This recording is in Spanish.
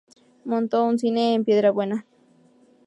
Montó un cine en Piedrabuena.